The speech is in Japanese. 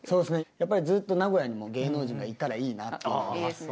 やっぱりずっと名古屋にも芸能人がいたらいいなっていうので。